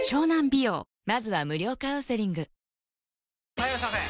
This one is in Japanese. ・はいいらっしゃいませ！